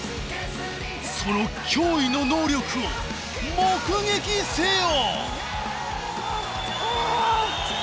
その驚異の能力を目撃せよ！